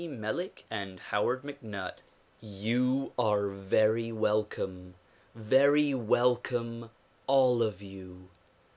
Melick and Howard MacNutt YOU are very welcome, very welcome, all of you